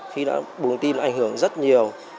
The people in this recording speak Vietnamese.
khi đã bùng tim ảnh hưởng rất nhiều